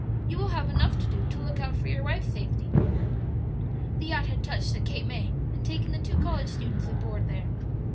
"You will have enough to do to look out for your wife's safety." (The yacht had touched at Cape May and taken the two college students aboard there.)